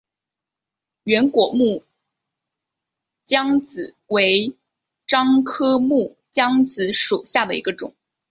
圆果木姜子为樟科木姜子属下的一个种。